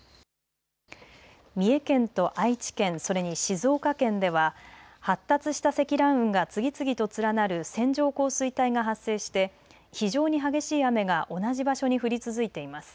三重県と愛知県それに静岡県では発達した積乱雲が次々と連なる線状降水帯が発生して非常に激しい雨が同じ場所に降り続いています。